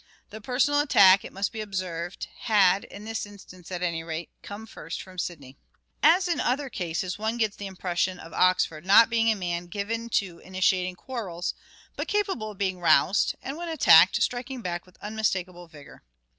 The personal attack, it must be observed, had, in this instance at any rate, come first from Sidney. As in other cases one gets the impression of Oxford not being a man given to initiating quarrels, but capable of being roused, and when attacked, striking back with unmistakable vigour.